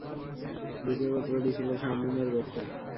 দ্বিতীয় গোত্রটি ছিল শামউন-এর গোত্র।